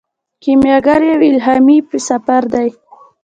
کیمیاګر یو الهامي سفر دی.